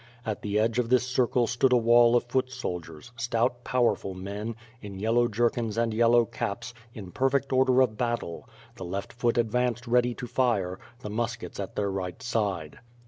At the edge of this circle stood a wall of foot soldiers, stout, powerful m,en, in yellow jerkins and yellow caps, in perfect order of battle, the left foot advanced ready to fire, the muskets at their right side.